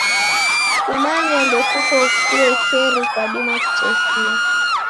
Kumanya ndokuko kuekeri kwadima kutesia.